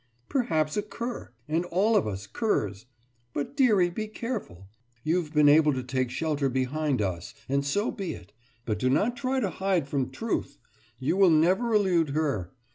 perhaps a cur! And all of us curs! But dearie, be careful! You've been able to take shelter behind us, and so be it. But do not try to hide from Truth; you will never elude her.